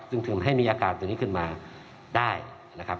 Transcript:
ซึ่งทำให้มีอาการตัวนี้ขึ้นมาได้นะครับ